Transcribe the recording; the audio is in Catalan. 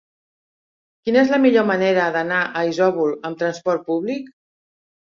Quina és la millor manera d'anar a Isòvol amb trasport públic?